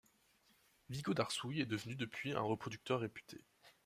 Vigo d’Arsouilles est devenu depuis un reproducteur réputé.